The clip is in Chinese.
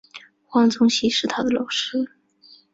黄宗羲是他的老师。